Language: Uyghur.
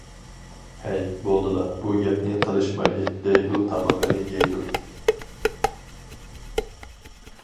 ھەي. بولدىلا بۇ گەپنى قىلىشمايلى دەيدۇ تامىقىنى يەيدۇ.